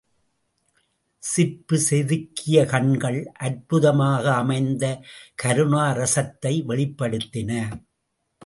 சிற்பி செதுக்கிய கண்கள், அற்புதமாக அமைந்த கருணாரஸத்தை வெளிப்படுத்தின.